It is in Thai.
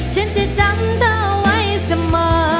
ฉันจะจำเธอไว้เสมอ